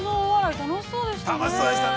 ◆楽しそうでしたね。